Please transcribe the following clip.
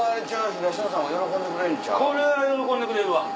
これは喜んでくれるわ。